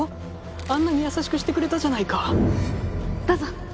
あんなに優しくしてくれたじゃないか。